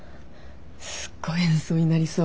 すっごい演奏になりそう。